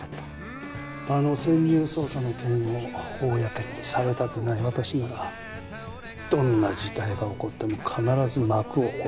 あの潜入捜査の件を公にされたくない私ならどんな事態が起こっても必ず幕を下ろしに来る。